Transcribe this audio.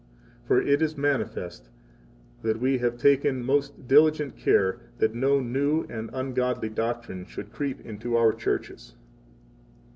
For it is manifest that we have taken most diligent care that no new and ungodly doctrine should creep into our churches.